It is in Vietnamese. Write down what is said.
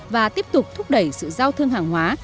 và tiếp tục thúc đẩy sự giao thương hàng hóa